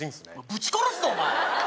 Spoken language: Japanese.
ブチ殺すぞお前！